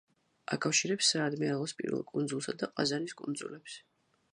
აკავშირებს საადმირალოს პირველ კუნძულსა და ყაზანის კუნძულებს.